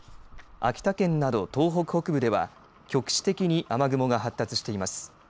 秋田県など東北北部では局地的に雨雲が発達しています。